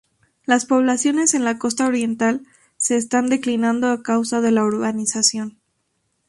Las poblaciones en la costa oriental de están declinando a causa de la urbanización.